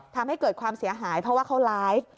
ทำให้เกิดความเสียหายเพราะว่าเขาไลฟ์